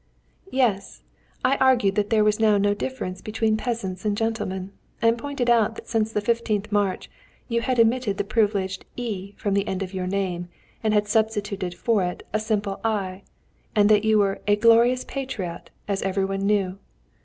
"Yes. I argued that there was now no difference between peasants and gentlemen, and pointed out that since the 15th March you had omitted the privileged 'y' from the end of your name, and had substituted for it a simple 'i,' and you were a 'glorious patriot,' as every one knew.